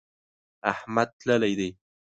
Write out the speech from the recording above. احمد تللی دی.